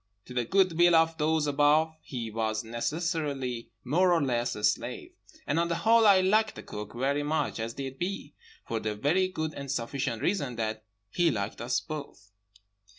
To the good will of those above he was necessarily more or less a slave. And on the whole, I liked the Cook very much, as did B.—for the very good and sufficient reason that he liked us both.